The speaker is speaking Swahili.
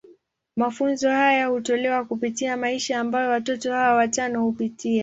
Mafunzo haya hutolewa kupitia maisha ambayo watoto hawa watano hupitia.